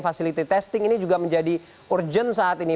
facility testing ini juga menjadi urgent saat ini